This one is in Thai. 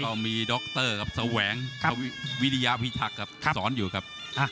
ต้องมีดรสวังวิริยาพิทักษ์สอนอยู่ครับ